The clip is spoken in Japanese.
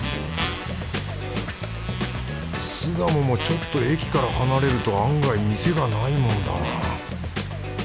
巣鴨もちょっと駅から離れると案外店がないもんだな。